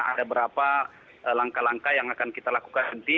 ada berapa langkah langkah yang akan kita lakukan nanti